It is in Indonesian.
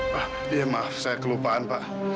pak ya maaf saya kelupaan pak